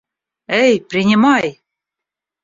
Эй, принимай!